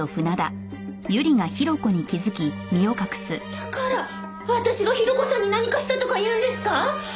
だから私が広子さんに何かしたとか言うんですか！